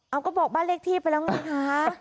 เอาก็บอกบ้านเลขที่ไปแล้วไงคะ